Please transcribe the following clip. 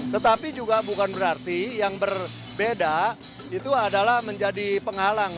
tetapi juga bukan berarti yang berbeda itu adalah menjadi penghalang